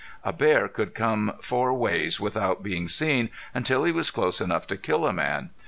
A bear could come four ways without being seen until he was close enough to kill a man.